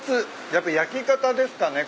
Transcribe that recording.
やっぱ焼き方ですかね？